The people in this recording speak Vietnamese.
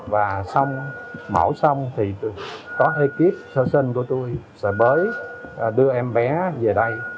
và mẫu xong thì ekip sơ sinh của tui sẽ mới đưa em bé về đây